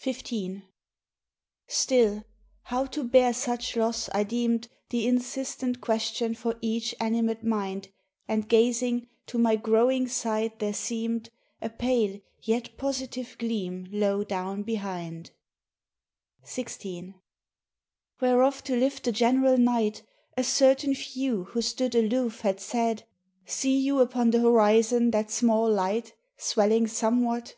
XV Still, how to bear such loss I deemed The insistent question for each animate mind, And gazing, to my growing sight there seemed A pale yet positive gleam low down behind, XVI Whereof to lift the general night, A certain few who stood aloof had said, "See you upon the horizon that small light— Swelling somewhat?"